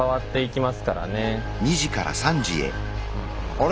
あれ？